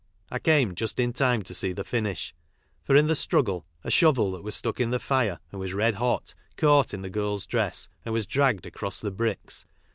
I came just in time to see the finish, for in the struggle a shovel that was stuck in the fire, and was red hot, caught in the girl's dress and was dragged across the bricks.